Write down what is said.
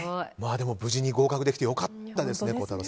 でも無事に合格できてよかったですね